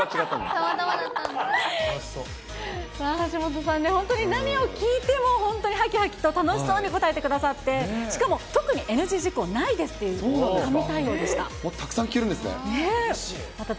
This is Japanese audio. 橋本さんね、本当に何を聞いても本当にはきはきと楽しそうに答えてくださって、しかも特にＮＧ事項ないですっていう、神対応でした。